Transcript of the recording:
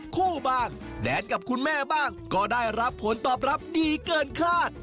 คู่บ้างแดนกับคุณแม่บ้างก็ได้รับผลตอบรับดีเกินคาด